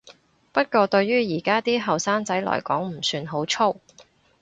不過對於而家啲後生仔來講唔算好粗